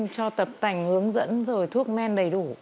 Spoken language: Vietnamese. cho tập tành hướng dẫn rồi thuốc men đầy đủ